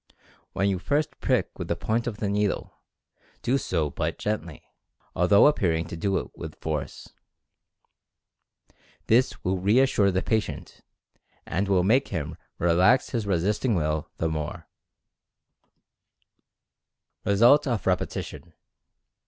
When you first prick with the point of the needle, do so but gently, although appearing to do it with force — this will reassure the patient, and will make him re lax his resisting Will the more. 122 Mental Fascination RESULT OF REPETITION.